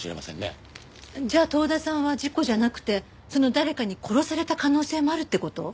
じゃあ遠田さんは事故じゃなくてその誰かに殺された可能性もあるって事？